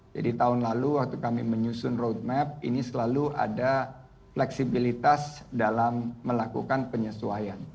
jadi tahun lalu waktu kami menyusun roadmap ini selalu ada fleksibilitas dalam melakukan penyesuaian